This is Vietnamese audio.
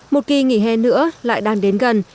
một kỳ nghỉ hè nữa lại đang đến gần